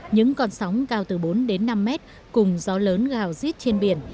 những con sóng cao từ bốn đến năm mét cùng gió lớn gào rít trên biển